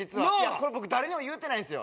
これ僕誰にも言うてないんですよ。